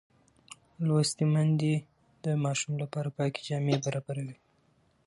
لوستې میندې د ماشوم لپاره پاکې جامې برابروي.